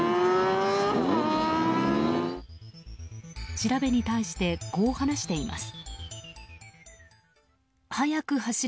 調べに対してこう話しています。